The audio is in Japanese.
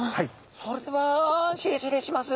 それでは失礼します。